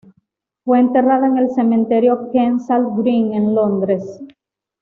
Fue enterrada en el Cementerio Kensal Green, en Londres.